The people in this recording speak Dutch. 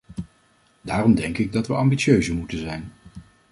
Daarom denk ik dat we ambitieuzer moeten zijn.